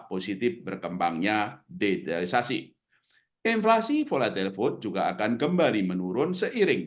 positif berkembangnya digitalisasi inflasi volatil telepon juga akan kembali menurun seiring